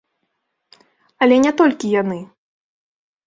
Але не толькі яны.